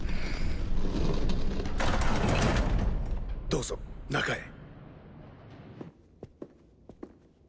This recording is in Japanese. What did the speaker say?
どうぞ中へ。